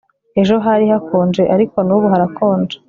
Ejo hari hakonje ariko nubu harakonje